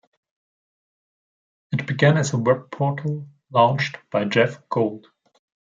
It began as a web portal launched by Jeff Gold.